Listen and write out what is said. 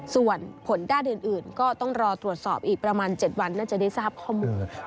ส่วนผลด้านอื่นก็ต้องรอตรวจสอบอีกประมาณ๗วันน่าจะได้ทราบข้อมูล